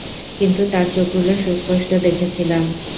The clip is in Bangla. কিন্ত তার চোখগুলো সুস্পষ্ট দেখেছিলাম।